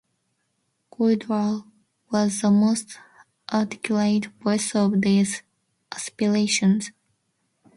Koidula was the most articulate voice of these aspirations.